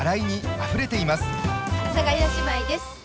阿佐ヶ谷姉妹です。